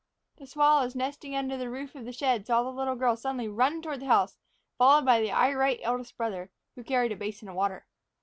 The swallows nesting under the roof of the shed saw the little girl suddenly run toward the house, followed by the irate eldest brother, who carried a basin of water.